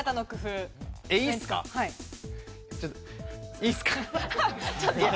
いいっすか？